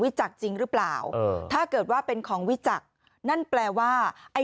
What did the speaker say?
จักรจริงหรือเปล่าเออถ้าเกิดว่าเป็นของวิจักรนั่นแปลว่าไอ้